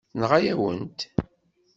Tenɣa-yawen-t.